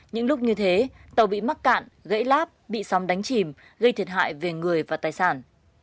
những lúc như thế tàu bị mắc cạn gãy lát bị sóng đánh chìm gây thiệt hại về người và tài sản